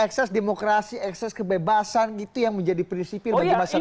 ekses demokrasi ekses kebebasan itu yang menjadi prinsipil bagi masyarakat